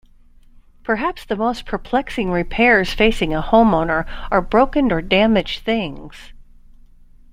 Perhaps the most perplexing repairs facing a home-owner are broken or damaged things.